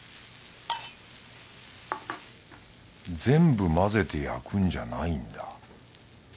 全部混ぜて焼くんじゃないんだ。